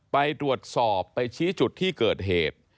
ไปตรวจสอบไปชี้จุดที่เกิดเหตุ